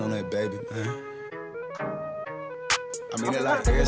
aku malah heti balik deh kak